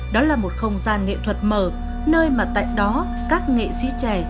đó là một không gian nghệ thuật mở nơi mà tại đó các nghệ sĩ trẻ